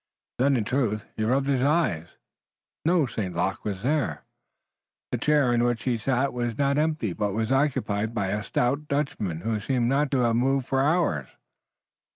Then, in truth, he rubbed his eyes. No St. Luc was there. The chair in which he had sat was not empty, but was occupied by a stolid, stout Dutchman, who seemed not to have moved for hours.